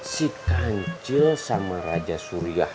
si kancil sama raja suriah